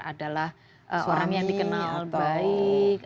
adalah orang yang dikenal baik